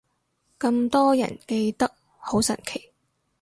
咁多人記得，好神奇